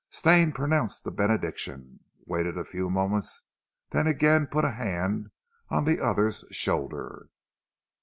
Stane pronounced the benediction, waited a few moments, then again he put a hand on the other's shoulder.